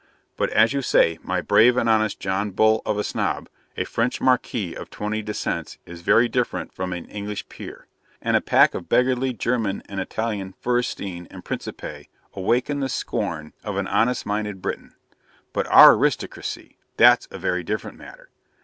But, as you say, my brave and honest John Bull of a Snob, a French Marquis of twenty descents is very different from an English Peer; and a pack of beggarly German and Italian Fuersten and Principi awaken the scorn of an honest minded Briton. But our aristocracy! that's a very different matter.